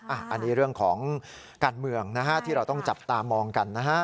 อันนี้เรื่องของการเมืองนะฮะที่เราต้องจับตามองกันนะฮะ